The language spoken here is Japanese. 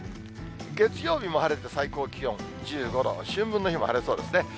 月曜日も晴れて最高気温１５度、春分の日も晴れそうですね。